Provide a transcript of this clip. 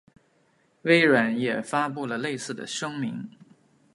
微软也发布了类似的声明。